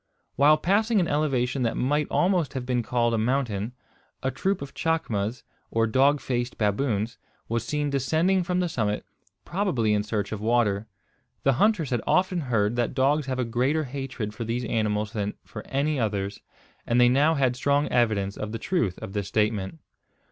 While passing an elevation that might almost have been called a mountain, a troop of chacmas, or dog faced baboons was seen descending from the summit, probably in search of water. The hunters had often heard that dogs have a greater hatred for these animals than for any others; and they now had strong evidence of the truth of this statement.